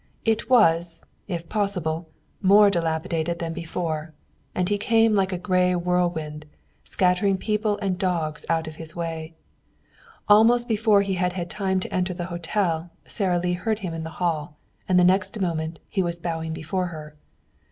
It was, if possible, more dilapidated than before, and he came like a gray whirlwind, scattering people and dogs out of his way. Almost before he had had time to enter the hotel Sara Lee heard him in the hall, and the next moment he was bowing before her.